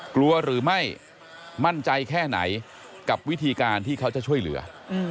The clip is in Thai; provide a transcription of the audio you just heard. กลัวหรือไม่มั่นใจแค่ไหนกับวิธีการที่เขาจะช่วยเหลือ